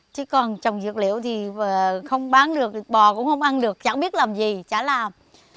chứ còn trồng dược liệu thì không bán được bò cũng không ăn được chẳng biết làm gì chả làm